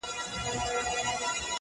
په هغه ورځ خو ژوندی نه ومه، پاچا مړ سوم